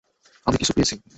আমি কিছু পেয়েছি।